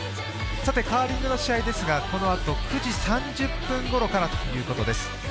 カーリングの試合ですが、このあと９時３０分ごろからということです。